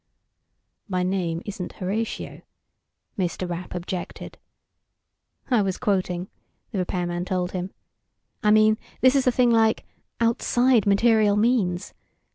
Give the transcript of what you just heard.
"My name isn't Horatio," Mr. Rapp objected. "I was quoting," the repairman told him. "I mean, this is a thing like, outside material means.